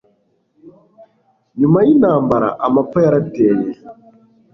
nyuma y'intambara, amapfa yarateye